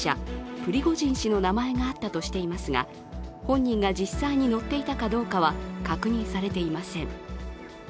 プリゴジン氏の名前があったとしていますが、本人が実際に乗っていたかどうかは確認されていません。